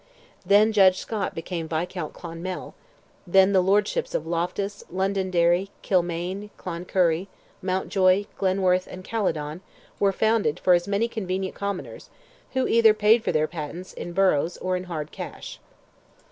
Then Judge Scott became Viscount Clonmel; then the Lordships of Loftus, Londonderry, Kilmaine, Cloncurry, Mountjoy, Glentworth, and Caledon, were founded for as many convenient Commoners, who either paid for their patents, in boroughs, or in hard cash.